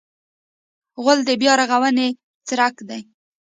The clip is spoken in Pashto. غول د بیا رغونې څرک دی.